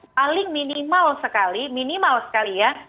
paling minimal sekali minimal sekali ya